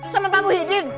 sama tegaw muhidin